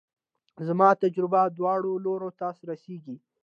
زما تجربه دواړو لورو ته رسېږي.